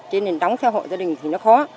cho nên đóng theo hộ gia đình thì nó khó